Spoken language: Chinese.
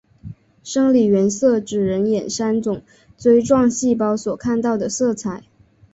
生理原色指人眼三种锥状细胞所看到的色彩。